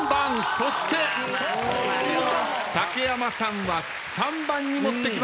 そして竹山さんは３番に持ってきました。